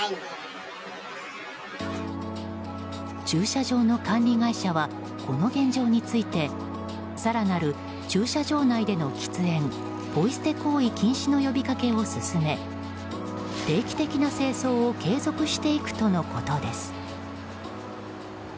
駐車場の管理会社はこの現状について更なる駐車場内での喫煙・ポイ捨て行為の禁止を進め定期的な清掃を継続していくとのことです。